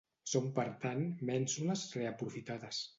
Són per tant mènsules reaprofitades.